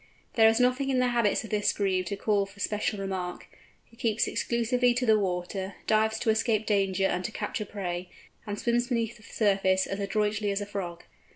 There is nothing in the habits of this Grebe to call for special remark: it keeps exclusively to the water, dives to escape danger and to capture prey, and swims beneath the surface as adroitly as a frog.